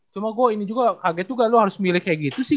cuma gue ini juga kaget juga lo harus milih kayak gitu sih